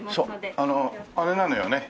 そうあれなのよね。